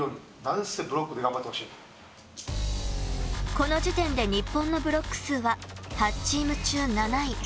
この時点で日本のブロック数は８チーム中７位。